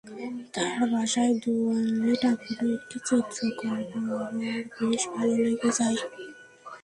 তাঁর বাসায় দেয়ালে টাঙানো একটি চিত্রকর্ম আমার বেশ ভালো লেগে যায়।